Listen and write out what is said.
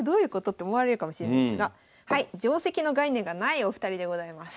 って思われるかもしれないですが定跡の概念がないお二人でございます。